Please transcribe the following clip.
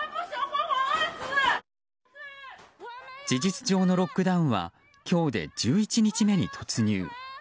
事実上のロックダウンは今日で１１日目に突入。